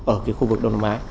ở cái khu vực đông nam á